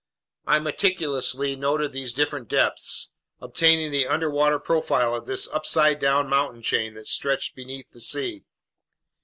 I meticulously noted these different depths, obtaining the underwater profile of this upside down mountain chain that stretched beneath the sea.